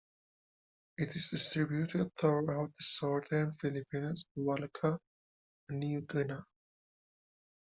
Its is distributed throughout the southern Philippines, Wallacea and New Guinea.